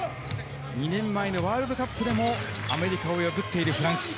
２年前のワールドカップでもアメリカを破っているフランス。